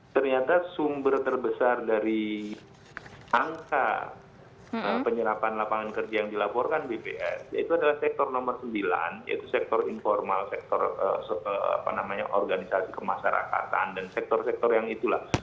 ternyata sumber terbesar dari angka penyerapan lapangan kerja yang dilaporkan bps yaitu adalah sektor nomor sembilan yaitu sektor informal sektor organisasi kemasyarakatan dan sektor sektor yang itulah